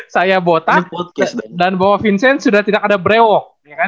saya botak dan bahwa vincent sudah tidak ada brewok